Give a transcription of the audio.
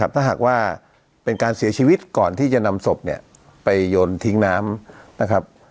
ถ้าหากว่าเป็นการเสียชีวิตก่อนที่จะนำศพเนี่ยไปโยนทิ้งน้ำนะครับ